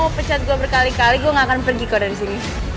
aku pecat gue berkali kali gue gak akan pergi kok dari sini